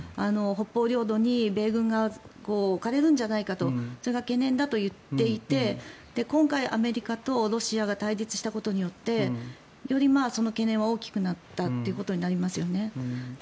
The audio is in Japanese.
北方四島に米軍が置かれるんじゃないかとそれが懸念だと言っていて今回、アメリカとロシアが対立したことによってよりその懸念は大きくなったということになりますよね。